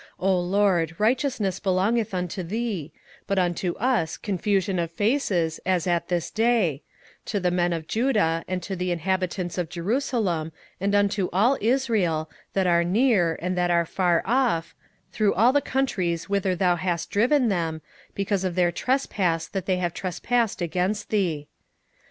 27:009:007 O LORD, righteousness belongeth unto thee, but unto us confusion of faces, as at this day; to the men of Judah, and to the inhabitants of Jerusalem, and unto all Israel, that are near, and that are far off, through all the countries whither thou hast driven them, because of their trespass that they have trespassed against thee.